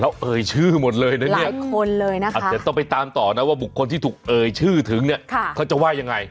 แล้วเอ่ยชื่อหมดเลยนะเนี่ยคนเลยนะคะเดี๋ยวต้องไปตามต่อนะว่าบุคคลที่ถูกเอ่ยชื่อถึงเนี่ยเขาจะว่ายังไง